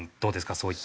そういった。